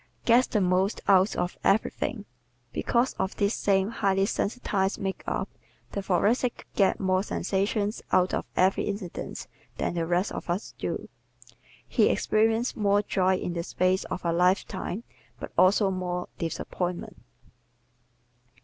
Gets the Most Out of Everything ¶ Because of this same highly sensitized makeup the Thoracic gets more sensations out of every incident than the rest of us do. He experiences more joy in the space of a lifetime but also more disappointment.